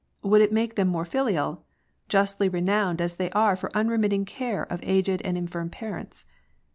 Would it make them more filial ?— justly renowned as they are for unremitting care of aged and infirm parents.